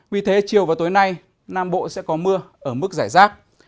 vì thế chiều và tối nay nam bộ sẽ có mưa ở mức giải rác